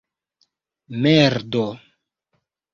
merdo